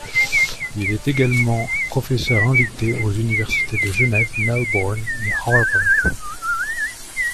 Il est également professeur invité aux universités de Genève, Melbourne et Harvard.